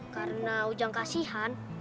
karena ujang kasihan